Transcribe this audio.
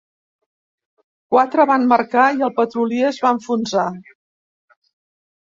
Quatre van marcar i el petrolier es va enfonsar.